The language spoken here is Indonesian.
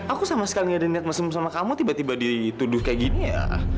aku sama sekali gak ada niat mesem sama kamu tiba tiba dituduh kayak gini ya